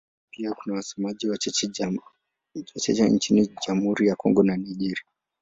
Pia kuna wasemaji wachache nchini Jamhuri ya Kongo na Nigeria.